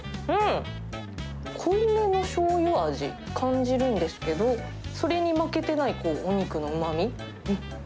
うん！濃いめのしょうゆ味、感じるんですけど、それに負けてないお肉のうまみ。